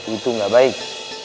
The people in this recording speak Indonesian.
itu nggak baik